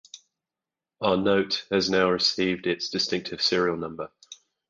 Our note has now received its distinctive serial number.